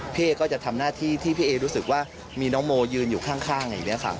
พี่เอก็จะทำหน้าที่ที่พี่เอรู้สึกว่ามีน้องโมยืนอยู่ข้างอย่างนี้ค่ะ